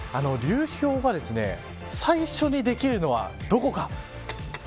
流氷が最初にできるのはどこか。